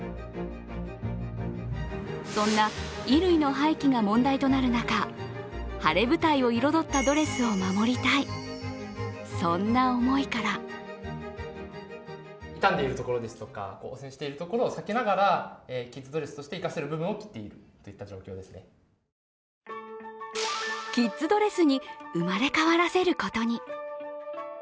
そんな衣類の廃棄が問題となる中晴れ舞台を彩ったドレスを守りたい、そんな思いからキッズドレスに生まれ変わらせることに。